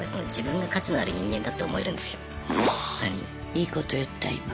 いいこと言った今。